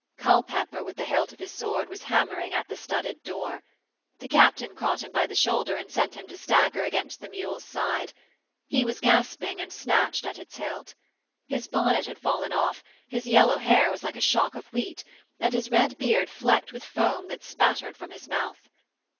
Culpepper with the hilt of his sword was hammering at the studded door. The captain caught him by the shoulder and sent him to stagger against the mule's side. He was gasping and snatched at his hilt. His bonnet had fallen off, his yellow hair was like a shock of wheat, and his red beard flecked with foam that spattered from his mouth.